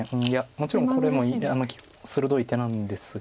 もちろんこれも鋭い手なんですが。